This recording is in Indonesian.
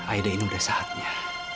aida ini sudah saatnya